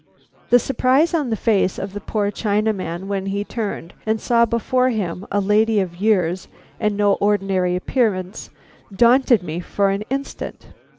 The surprise on the face of the poor Chinaman when he turned and saw before him a lady of years and no ordinary appearance, daunted me for an instant.